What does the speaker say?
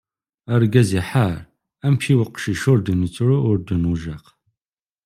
Argaz iḥar, amek, i uqcic ur d-nettru ur d-nujjaq.